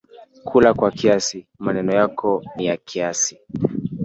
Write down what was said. Kula kwa kiasi…Maneno yako ni ya kiasi